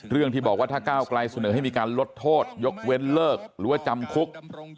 ที่บอกว่าถ้าก้าวไกลเสนอให้มีการลดโทษยกเว้นเลิกหรือว่าจำคุก